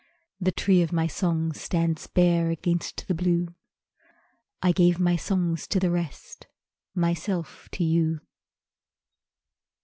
The tree of my song stands bare Against the blue I gave my songs to the rest, Myself to you.